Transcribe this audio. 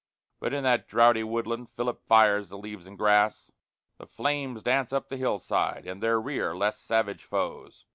But in that droughty woodland Philip fires the leaves and grass: The flames dance up the hillside, in their rear less savage foes.